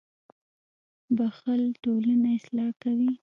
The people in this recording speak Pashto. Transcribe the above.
• بښل ټولنه اصلاح کوي.